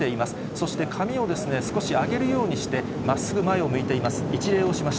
そして髪を少し上げるようにして、まっすぐ前を見ています。